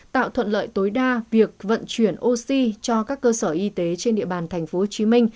tạo thuận lợi tối đa việc vận chuyển oxy cho các cơ sở y tế trên địa bàn tp hcm